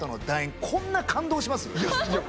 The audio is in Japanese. こんな感動します？